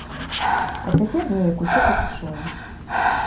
А цяпер неяк усё пацішэла.